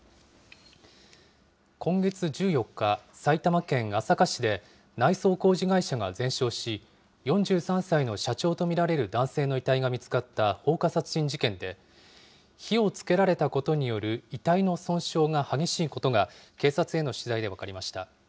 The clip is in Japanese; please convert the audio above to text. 今月１４日、埼玉県朝霞市で、内装工事会社が全焼し、４３歳の社長と見られる男性の遺体が見つかった放火殺人事件で、火をつけられたことによる遺体の損傷が激しいことが、警察への取材で分かりました。